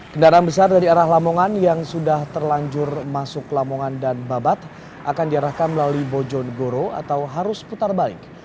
kendaraan besar dari arah lamongan yang sudah terlanjur masuk lamongan dan babat akan diarahkan melalui bojonegoro atau harus putar balik